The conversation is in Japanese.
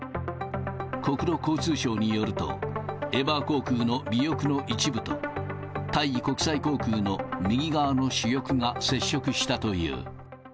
国土交通省によると、エバー航空の尾翼の一部と、タイ国際航空の右側の主翼が接触したという。